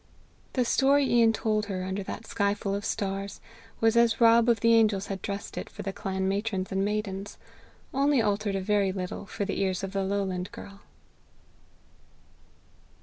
The story Ian told her under that skyful of stars, was as Rob of the Angels had dressed it for the clan matrons and maidens, only altered a very little for the ears of the lowland girl.